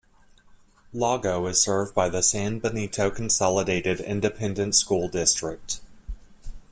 Lago is served by the San Benito Consolidated Independent School District.